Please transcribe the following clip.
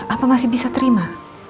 apa masih bisa terima